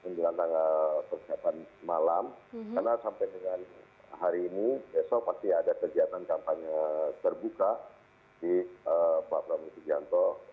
dengan tanggal persiapan malam karena sampai dengan hari ini besok pasti ada kegiatan kampanye terbuka di pak prabowo subianto